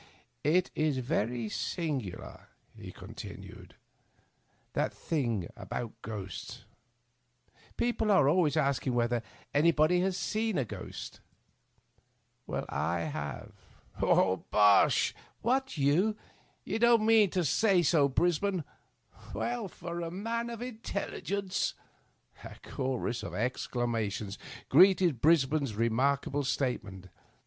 "It is very singular," he continued, "that thing about ghosts. People are always asking whether any body has seen a ghost. I have." Digitized by VjOOQIC 20 THE UPPER BEETS. " Bosh 1 What, yon ? You don't mean to say so, Brisbane? Well, for a man of his intelligence!" A chorus of exclamations greeted Brisbane's re^ markable statement.